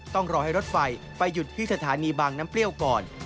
ต้องรอให้รถไฟไปหยุดที่สถานีบางน้ำเปรี้ยวก่อน